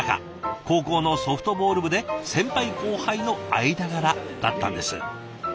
高校のソフトボール部で先輩後輩の間柄だったんです。